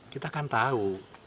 kita akan tahu